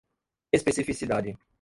especificidade